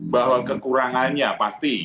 bahwa kekurangannya pasti